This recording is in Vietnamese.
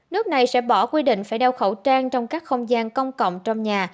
nước này sẽ bỏ quy định phải đeo khẩu trang trong các không gian công cộng trong nhà